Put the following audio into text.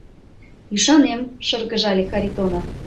— Ӱшанем, — шыргыжале Харитонов.